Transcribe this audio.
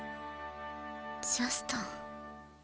ジャストン。